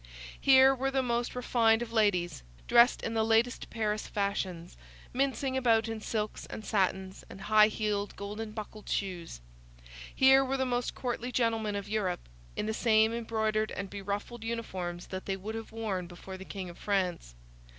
Here were the most refined of ladies, dressed in the latest Paris fashions, mincing about in silks and satins and high heeled, golden buckled shoes. Here were the most courtly gentlemen of Europe, in the same embroidered and beruffled uniforms that they would have worn before the king of France.